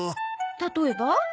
例えば？